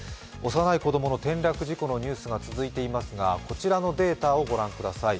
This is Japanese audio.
幼い子供の転落事故のニュースが続いていますがこちらのデータをご覧ください。